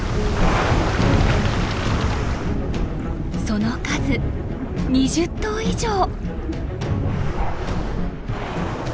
その数２０頭以上！